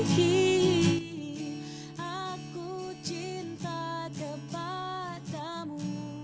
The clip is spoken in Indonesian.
arti ini aku cinta kepadamu